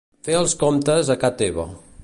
Fer els comptes a ca teva.